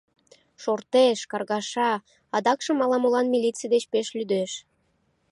Шортеш, каргаша, адакшым ала-молан милиций деч пеш лӱдеш.